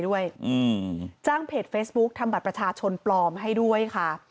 ด้วยอืมจ้างเพจเฟซบุ๊กทำบัตรประชาชนปลอมให้ด้วยค่ะ